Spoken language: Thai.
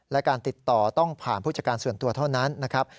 และการติดต่อต้องผ่านผู้จัดการส่วนตัวเท่านั้นนะครับ